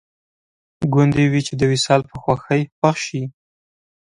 ګوندې وي چې د وصال په خوښۍ خوښ شي